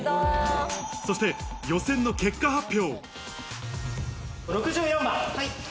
そして予選の結果発表。